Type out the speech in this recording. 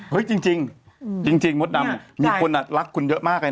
บ้าจริงมดดำมีคนอ่ะรักคุณเยอะมากไอ้น้ำ